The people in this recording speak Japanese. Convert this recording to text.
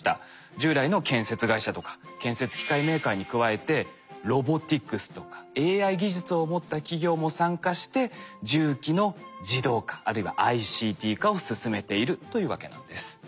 従来の建設会社とか建設機械メーカーに加えてロボティクスとかＡＩ技術を持った企業も参加して重機の自動化あるいはＩＣＴ化を進めているというわけなんです。